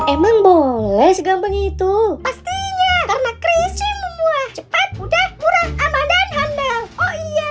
emang boleh segampang itu pastinya karena krisis menguat cepat udah kurang aman dan handal oh iya